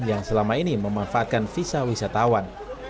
yang selama ini memanfaatkan visa wisatawan